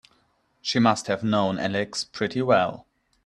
She must have known Alex pretty well.